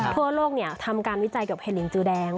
ทั่วโลกทำการวิจัยกับเฮลิงจูแดง